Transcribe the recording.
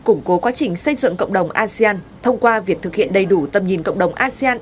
củng cố quá trình xây dựng cộng đồng asean thông qua việc thực hiện đầy đủ tầm nhìn cộng đồng asean